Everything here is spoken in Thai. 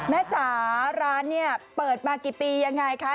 จ๋าร้านเนี่ยเปิดมากี่ปียังไงคะ